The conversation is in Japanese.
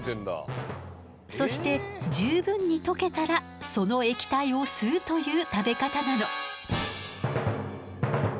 そして十分に溶けたらその液体を吸うという食べ方なの。